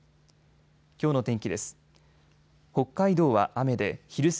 きょうの天気です。